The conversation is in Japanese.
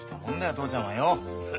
父ちゃんはよ。